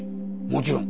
もちろん！